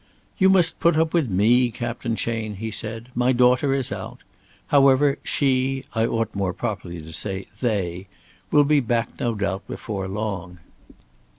"You must put up with me, Captain Chayne," he said. "My daughter is out. However, she I ought more properly to say, they will be back no doubt before long."